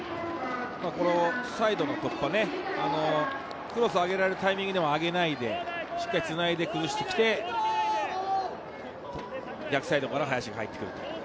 サイドの突破、クロスを上げられるタイミングでも上げないで、しっかりつないで崩して、逆サイドから林が入ってくる。